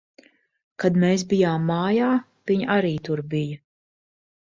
Kad mēs bijām mājā, viņa arī tur bija.